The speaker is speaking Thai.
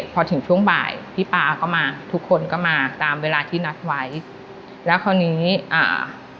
พอถึงช่วงบ่ายพี่ป๊าก็มาทุกคนก็มาตามเวลาที่นัดไว้แล้วคราวนี้อ่า